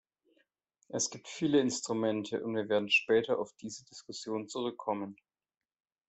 Es gibt viele Instrumente, und wir werden später auf diese Diskussion zurückkommen.